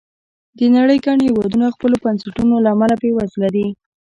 د نړۍ ګڼ هېوادونه د خپلو بنسټونو له امله بېوزله دي.